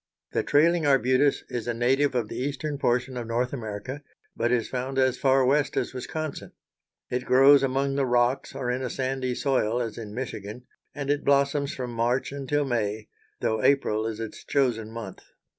The trailing arbutus is a native of the eastern portion of North America, but is found as far west as Wisconsin. It grows among the rocks, or in a sandy soil, as in Michigan, and it blossoms from March until May, though April is its chosen month.